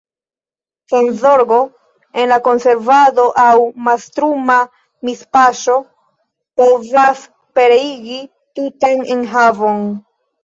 Senzorgo en la konservado aŭ mastruma mispaŝo povas pereigi tutan enhavon.